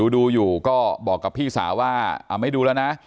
ดูอยู่ก็บอกกับพี่สาวว่าไม่ดูแล้วนะ